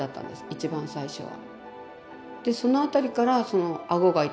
一番最初は。